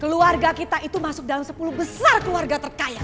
keluarga kita itu masuk dalam sepuluh besar keluarga terkaya